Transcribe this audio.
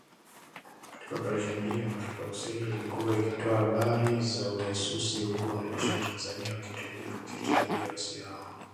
Katika Oparesheni hiyo, Afrika kusini ilikuwa ikitoa habari za ujasusi huku wanajeshi wa Tanzania wakitumia roketi dhidi ya waasi hao.